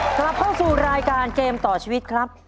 สวัสดีครับครับเข้าสู่รายการเกมต่อชีวิตครับ